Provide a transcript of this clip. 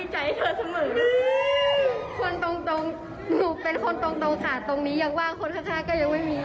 หนูเป็นคนตรงค่ะตรงนี้ยังว่าคนค่ะก็ยังไม่มี